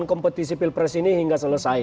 kompetisi pilpres ini hingga selesai